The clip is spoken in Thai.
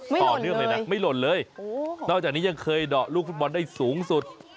ต่อเนื่องเลยนะไม่หล่นเลยนอกจากนี้ยังเคยเดาะลูกฟุตบอลได้สูงสุด